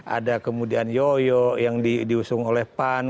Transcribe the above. ada kemudian yoyo yang diusung oleh pan